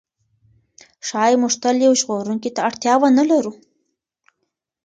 ښایي موږ تل یو ژغورونکي ته اړتیا ونه لرو.